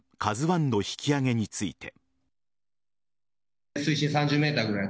「ＫＡＺＵ１」の引き揚げについて。